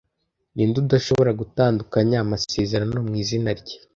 Ninde udashobora gutandukanya amasezerano mwizina rye